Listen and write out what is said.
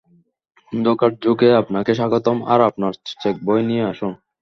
অন্ধকার যুগে আপনাকে স্বাগতম আর আপনার চেক বই নিয়ে আসুন!